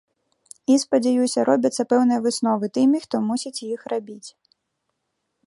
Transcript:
І, спадзяюся, робяцца пэўныя высновы тымі, хто мусіць іх рабіць.